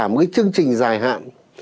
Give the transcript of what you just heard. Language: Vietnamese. một cái chương trình dài hạn